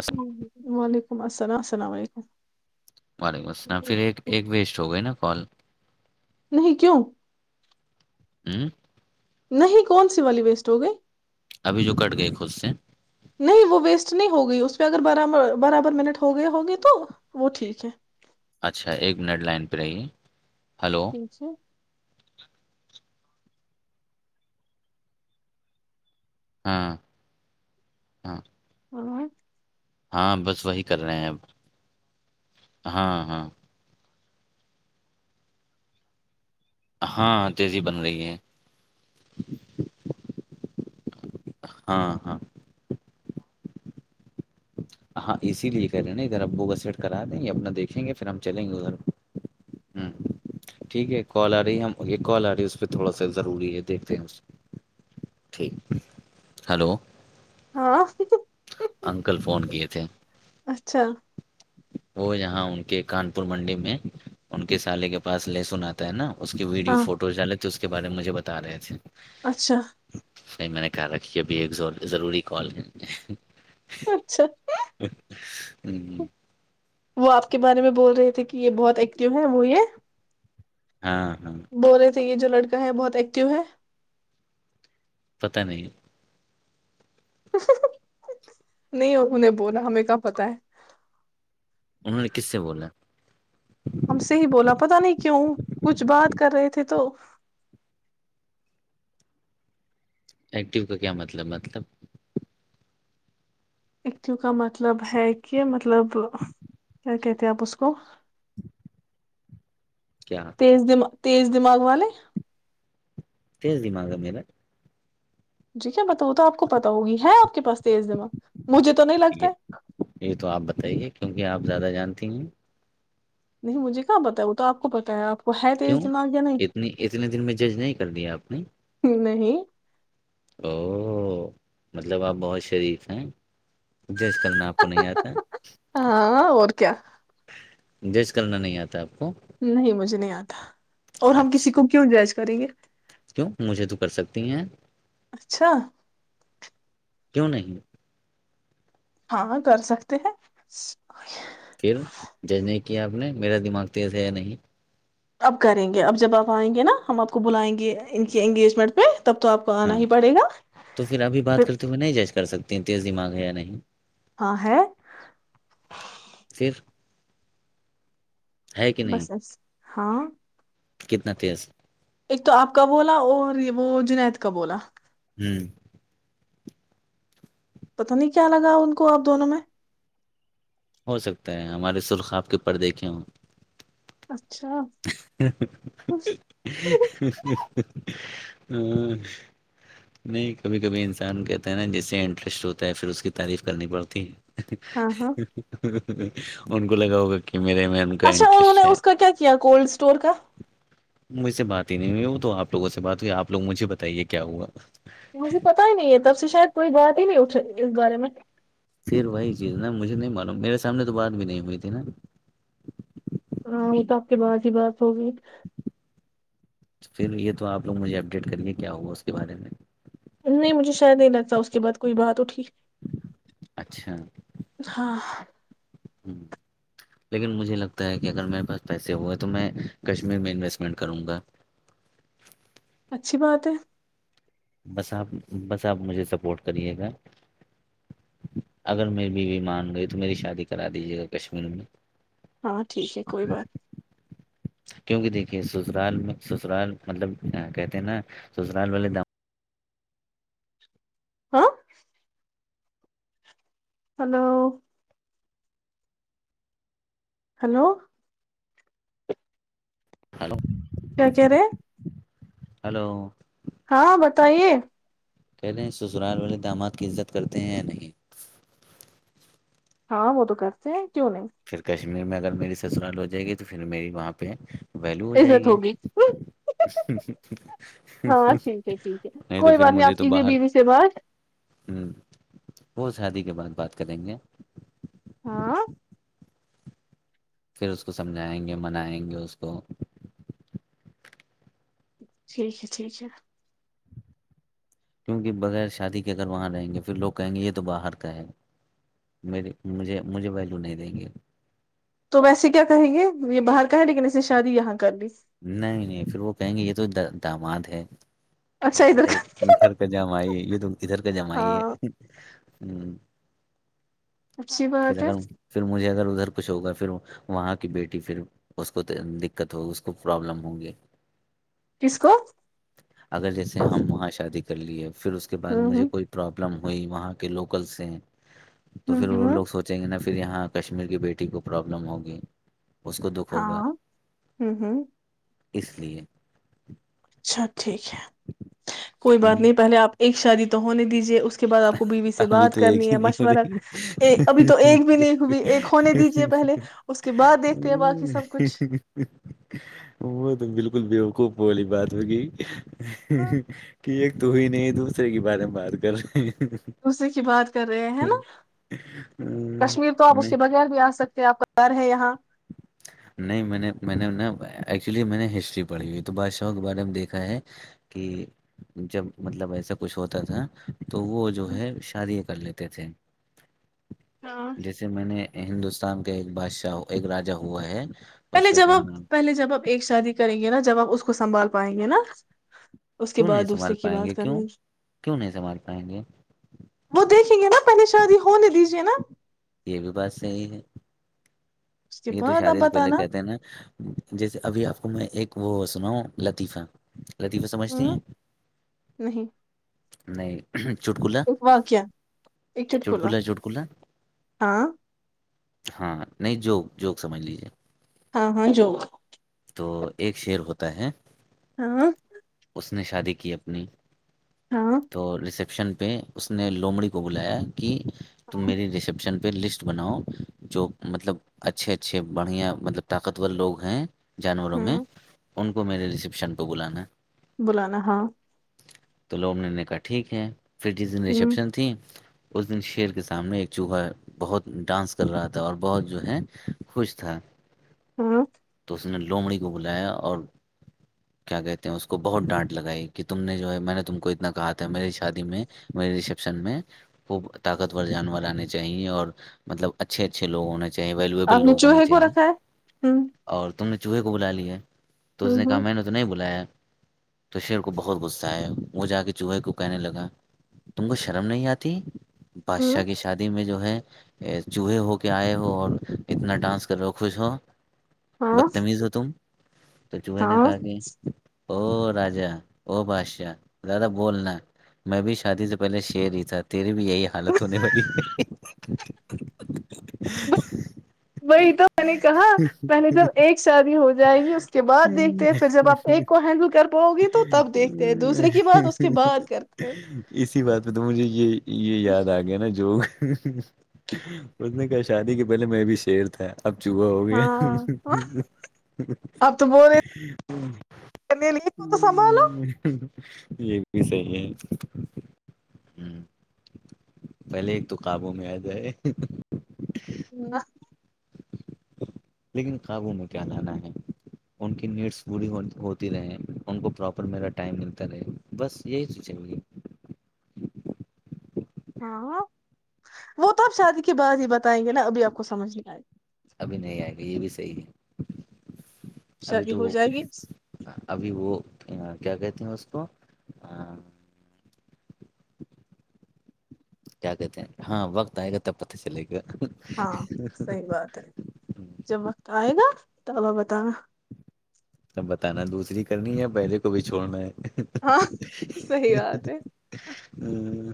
الس ہ وعلیکم السملاملام السلام علیکم وعلیکم السلام پھر ایک ویسٹ ہو گئے نا کال نہیں کیوں ہمم نہیں کون سی والی ویسٹ ہو گئی ابھی جو کٹ گئے خود سے نہیں وہ ویسٹ نہیں ہوگئی اس پہ اگر برابر برابر منٹ ہو گئے ہو گے تو وہ ٹھیک ہے اچھا ایک منٹ لائن پہ رہیے ہلو [inaudible] ہاں ہاں اور ہاں بس وہی کر رہے ہیں اب ہاں ہاں ہاں تیزی بن رہی ہے ہاں ہاں ہاں اسی لیے کہہ رہے نا ادھر ابو کو سیٹ کرا دیں گے‌اپنا دیکھیں گے پھر ہم چلیں گے ادھر ہمم ٹھیک ہے کال آ رہی ہم یہ کال آ رہی ہے اس پہ تھوڑا سا ضروری ہے دیکھتے ہیں ٹھیک ہلو ہاں انکل فون کیے تھے اچھا وہ یہاں ان کے کانپور منڈی میں ان کے سالی کے پاس لہسن آتا ہے نا اس کے ویڈیو ہاں فوٹو جالے تھے اس کے بارے میں مجھے بتا رہے تھے اچھا نہیں میں نے کہا رکھیے ابھی ایک ضروری کال ہے اچھا ہمم وہ آپ کے بارے میں بول رہے تھے کہ یہ بہت ایکٹیو ہیں وہ یہ ہاں ہاں بول رہے تھے یہ جو لڑکا ہے بہت ایکٹو ہے پتا نہیں نہیں انہوں نے بولا ہمیں کہا پتا ہے انہوں نے کس سے بولا ہم سے ہی بولا پتا نہیں کیوں کچھ بات کر رہے تھے تو ایکٹو کا کیا مطلب مطلب ایکٹو کا مطلب ہے کہ مطلب مطلب کیا کہتے تے ہے آپ اسکو کیا تیز دماغ تیز دماغ والے تیز دماغ ہے میرا جی مجھے کیا پتا وہ تو آپ کو پتا ہوگی ہے آپ کے پاس تیز دماغ مجھے تو نہیں لگتا یہ ہے یہ تو آپ بتائیے کیونکہ آپ زیادہ جانتی ہیں نہیں مجھے کہاں پتا ہے وہ تو آپ کو پتا ہے آپ کو ہے کیوں تیز دماغ یا نہیں اتنی اتنے دن میں جج نہیں کر دیا آپ نے نہیں او مطلب آپ بہت شریف ہیں جی اس کرن آپ کو نہیں آتا ہاں اور کیا ڈیج کرنا نہیں آتا آپ کو نہیں مجھے نہیں آتا اور ہم اچھا کسی کو کیوں جائچ کری یہ کیوں مجھے تو کر سکتی ہیں اچھا کیوں نہیں ہاں کر سکتے ہیں پھر جج نہیں کیا آپ نے میرا دماغ تیز ہے یا نہیں اب کریں گے اب جب آپ آئیں گے نا ہم آپ کو بلائیں گے ان کے انگیجمنٹ پہ تب تو آپ کو آنا ہاں ہی پڑے گا تو پھر ابھی بات کرتے ہوئے نہیں جائج کر سکتا اتنی تیزی مانگ ہے یا نہیں ہاں ہے پھر ہے کہ نہیں بسس ہاں کتنا تیز ایک تو آپ کا بولا اور وہ جنید کا بولا تین پت نہیں کیا لگا ان کو آپ دونوں میں ہو سکتا ہے ہمارے سرخواب کے پر دیکھے ہ اچ [inaudible] ہ نہیں کبھی کبھی انسان کہتا ہے نا جس سے انٹرسٹ ہوتا ہے پھر اس کی تعریف کرنی پڑتی ہاں ہاں ہے [inaudible] ان کو لگا ہوگا کہ میرے میں ان کا اچھا انہوں نے انٹرسٹ ہے اس کا کیا کیا کولڈ اسٹور کا مجھ سے بات ہی نہیں ہوئی تو آپ لوگوں سے بات ہوئی آپ لوگ مجھے بتائیے کیا ہوا مجھے پتا ہی نہیں ہے تب سے شاید کوئی گات ہی نہیں اٹھ گے میں پھر وہی چیز نا مجھے نہیں معلوم میرے سامنے تو بات بھی نہیں ہوئی تھی نا ہاں یہ تو آپ کے باہار ہی برف ہوگی پھر یہ تو آپ لوگ مجھے اپڈیٹ کریے کیا ہوگا اس کے بارے میں نہیں مجھے شاید نہیں لگتا اس کے بعد کوئی بات اٹھی اچھا ہاں ہ لیکن مجھے لگتا ہے کہ اگر میرے پاس پیسے ہوئے تو میں کشمیر میں انویسٹمنٹ کروں گا اچھی بات ہے بس آپ بس آپ مجھے سپورٹ کریے گا اگر میری بیوی مان گئی تو میری شادی کرا دیجیے گا کشمیر میں ہاں ٹھیک ہے کوئی بات کیونکہ دیکھیے سسرال میں سسرال مطلب کہتے ہیں نا سسرال والے دام ہاں ہلو ہلو ہلو کیا کہہ رہے ہلو ہاں بتائیے کہہلیں سسرال والے اقدامات کی عزت کرتے ہیں یا نہیں ہاں وہ تو کرتے ہیں کیوں نہیں پھر کشمیر میں اگر میری سسرال ہو جائے گی تو پھر میری وہاں پہ ویلو ہو جائے عزت گی ہوگی ہاں ٹھیک ہے ٹھیک ہے نہیں تو کوئی پھر بات مجھے آپ تو کیجیے باہر بیوی سے بات ہوں بہت شادی کے بعد بات کریں گے ہاں پھر اس کو سمجھائیں گے منائیں گے اس کو ٹھیک ہے ٹھیک ہے کیونکہ بغیر شادی کہہ کر وہاں رہیں گے پھر لوگ کہیں گے یہ تو باہر کا ہے م مجھے مجھے ویلو نہیں دیں گے تو ویسے کیا کہیں گے یہ باہر کا ہے لیکن اس نے شادی یہاں کر لی نہیں نہیں پھر وہ کہیں گے یہ تو داماد ہے اچھا ادھر خھر کا گر ک جام آئی یہیدن ادھر کا جمعائی ہاں ہے ہوں اچھی پھر بات ہے اگر پھر مجھے اگر ادھر کچھ ہوگا پھر وہاں کی بیٹی پھر اس کو دقت ہوگی اس کو کو پرابلم ہوں گی کس کو اگر جیسے ہم وہاں شادی کر لیے پھر اس کے بعد ہوں مجھے ہوں کوئی پرابلم ہو ہوئی وہاں کے لوکلس ہیں تو ہوں پھر وہ ہوں لوگ سوچیں گے نا پھر یہاں کشمیر کی بیٹی کو پرابلم ہوگی اس کو دکھ ہوگا ہاں ہ ہوں اس لیے اچھا ٹھیک ہے کوئی بات ہوں نہیں پہلے آپ ایک شادی تو ہونے دیجیے اس کے بعد آپ کو بیوی سے ابھی بات تو ایک کرنی ہی ہے نہیں ہو مشورہ رہی ابھی تو ایک بھی نہیں ہوئی ایک ہونے دیجیے پہلے اس کے بعد دیکھتے ہیں باقی سب کچھ وہ تو بالکل بےوکوب بوی بات ہوگی کہ ایک تو ہی نہیں دوسرے کے بارے میں بات کر رہے ہیں دوسری کی بات کر رہے ہیں ہے نا کشمیر تو آپ اس نہیں کے بغیر بھی آ سکتے کیا آ پرار ہے یہاں نہیں میں نے میں نے ن ایکچولی میں نے ہسٹری پڑھی ہوئی تو بادشاہ کے بارے میں دیکھا ہے کہ جب مطلب ایسا کچھ ہوتا تھا تو وہ جو ہے شادیاں کر لیتے تے تھے ہاں جیسے میں نے ہندوستان سام کے بادشاہ ایک را ہوا ہے اس پہلے کا جب کیا آپ نام تھا پہلے جب آپ ایک شادی کریں گے نا جب آپ اس کو سنبھال پائیں گے نا اس کے کیوں بعد نہیں دوسرے سنبھال کی پائیں گے بات کیوں کرنیی کیوں نہیں سنبھال پائیں گے وہ دیکھیں گے نا پہنی شادی ہونے دیجیے نا یہ بھی بات صحی ہے اس کے یہ تو بعد آپ شادی سے پہلے بتانا کہتے ہیں نا جیسے ابھی آپ کو میں ایک وہ سنا ہ لطیفہ لطیفہ سمجھتی ہوں ہیں نہیں نہیں چٹکلا ایک واقع ایک چٹکلا ہاں ہاں نہیں جوک جوک سمجھ لیجیے ہاں ہاں جو تو ایک شعر ہوتا ہے ہاں اس نے شادی کی اپنی ہاں تو رس آشن پہ اس نے لومڑی کو بلایا کہ ت میری ریسیپشن پ لسٹ بناؤ جو مطلب اچھے اچھے بڑھیا مطلب طاقتور لوگ ہیں جانوروں میں ہوں ان کو میرے ریسیپشن پہ بلانا بولانا ہاں تو لوگوں نے نے کہا ٹھیک ہے پھر جس دن ہوں ریسیپشن تھیں اس دن شیر کے سامنے ایک چوہا بہت ڈانس کر رہا تھا اور بہت جو ہے خوش تھا ہھ تو اس نے لومڑی کو بلایا اور کیا کہتے ہیں اس کو بہت ڈانٹ لگائی کہ تم نے جو ہے میں نے تم کو اتنا کہا تھا میری شادی میں مے رسیپشن میں خوب طاقتور جانور آنے چاہیے اور مطلب اچھے اچھے لوگ ہونے چاہیے آپ ویلیویبل نے لوگ ہونے چوہے کو چاہیے رکھا ہے ہ اور تم نے چوہے کو بلا لیا ہے تو اس نے کہا میں نے تو نہیں بلایا ہے تو شیر کو بہت غصہ آئے وہ جا کے چوہے کو کہنے لگا تم کو شرم نہیں آتی بادشاہ ہوں کی شادی میں جو ہے چوہے ہو کے آئے ہو اور اتنا ڈانس کر رہو ہو خوش ہو ہاں بدتمیز ہو تم تو جو ہے نا ہاں کہ کہ او راجا او بادشاہ زیادہ بولنا میں بھی شادی سے پہلے شر ہی تھا تھی تری بھی یہی حالت ہونے والی ہے [inaudible] وہی تو میں نے کہا میں نے دیکھتے ہیں پھر جب آپ ایک کو ہینڈل کر پاؤ گی تو تب دیکھتے ہیں دوسرے کی بات اس کے بعد کرتے ہیں اسی بات پہ تو مجھے یہ یہ یاد آ گیا نا جوگ اس نے کہ شادی کے پہلے میں بھی شیر تھا اب چوہا ہو گیا آ تو ب رہ کت سنبھالو یہ بھی صحیح ہے ہ پہلے ایک تو قابووں میں آ جائے ہ [unintelligible] لیکن قابو میں کیا لانا ہے ان کی نیڈس پوری ہوتی رہے ان کو پراپر میرا ٹائم ملتا رہے بس یہی سوچی ہاںاں وہ تو اب شادی کی بعات ہی بتائیں گے نا ابھی آپ کو سمجھ نہیں آئے گی بھی نہیں آئے گا یہ بھی صحیح ہے ابھی شادی تو ہو جائے گی ابھی وہ کیا کہتے ہیں اس تو [unintelligible] کیا کہتے ہیں ہاں وقت آئے گا تب پتہ چلے گی ہاں صحیح بات ہے جب وقت آئے گا تولو بتانا سب بتانا دوسری کرنی ہے پہلے کو بھی چھوڑنا ہے ہاں صحی بات ہے ہوں،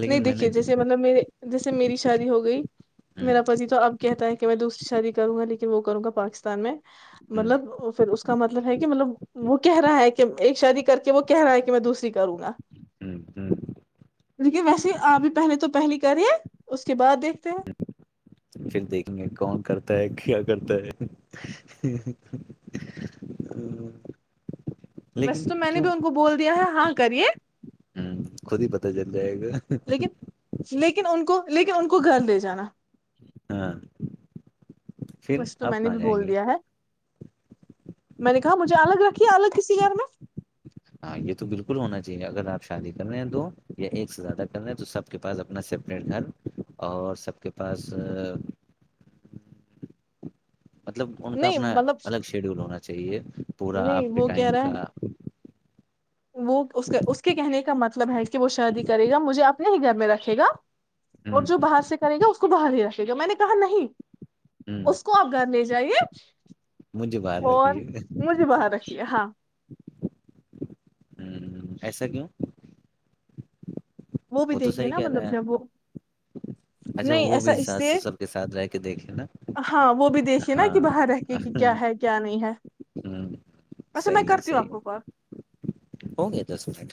لیکن نہیں میں نے دیکھیے دی- جیسے مطلب میرے جیسے میری شادی ہو گئی ہوں، میرا پتی تو اب کہتا ہے کہ میں دوسری شادی کروں گا لیکن کہ وہ کروں گا پاکستان میں ہوں، مطلب پھر اس کا مطلب ہے کہ مطلب وہ کہہ رہا ہے کہ ایک شادی کر کے وہ کہہ رہا ہے کہ میں دوسری کروں گا ہ ہ [unintelligible] لیکن ویسے آپ بھی پہلے تو پہلے کریے اس کے بعد دیک پھر دیکھیں گے کون کرتا ہے کیا کرتا ہے ہ ویسے تو میں نے بھی ان کو بول دیا ہے ہاں کریے ہوں خود ہی پتہ چل جائے گا لیکن لیکن ان کو لیکن ان کو گھر دے جانا ہاں پھر وسے تو آپ میں نے کہاں بھی جائیں بول گے دیا ہے میں نے کہا مجھے الگ رکھیے الگ کسی گھر میں ہاں یہ تو بالکل ہونا چاہیے اگر آپ شادی کر رہے ہیں دو یا ایک سے زیادہ کر رہے ہیں تو سب کے پاس اپنا سپریٹ گھر اور سب کے پاس مطلب ان کا نہیں اپنا مطلب الگ شیڈیول ہونا چاہیے پورا نہیں آپ کے وہ کہہ ٹائم رہا کا ہے وہ اس اس کے کہنے کا متلب مطلب ہے کہ وہ شادی کرے گا مجھے اپنے ہی گھر میں رکھے گا اور ہوں جو باہر سے کریں گا اس کو باہر ہی رکھ جو میں نے کہا نہیں ہوں اس کو آپ گھر لے جائیے مجھے باہر اور رکھیے مجھے بہت اچھی ہے ہاں ہوں ایسا کیوں وہ بھی تو دیکھیے صحیح نا کہہ رہے مطلب جب ہیں وہ اچھا نہیں وہ ایسا بھی اس ساس سے سسر کے ساتھ رہ کے دیکھے نا ہاں وہ بھی دیکھیے نا کہ ہاں باہر رہ کے کہ کیا ہے کیا نہیں ہے ہ ویسے میں صحیح ہے کرتی ہوں صحیح آپ کو کال ہو گے دس منٹ